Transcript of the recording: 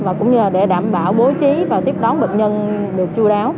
và cũng như là để đảm bảo bố trí và tiếp đón bệnh nhân được chú đáo